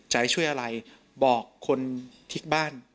จะให้ช่วยอะไรบอกคนที่บ้าน